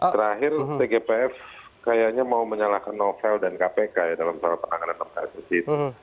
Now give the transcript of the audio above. terakhir tgpf kayaknya mau menyalahkan novel dan kpk dalam soal penanganan polisi